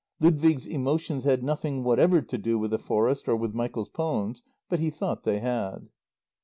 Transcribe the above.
Ludwig's emotions had nothing whatever to do with the forest or with Michael's poems, but he thought they had.